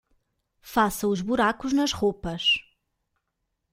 Faça os buracos nas roupas